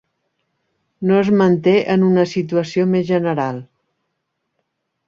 No es manté en una situació més general.